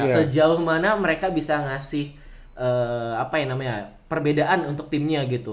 sejauh mana mereka bisa ngasih apa yang namanya perbedaan untuk timnya gitu